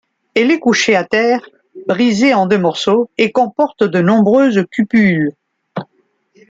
Elle est couchée à terre, brisée en deux morceaux et comporte de nombreuses cupules.